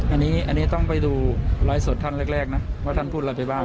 อันนี้ต้องไปดูไลฟ์สดท่านแรกนะว่าท่านพูดอะไรไปบ้าง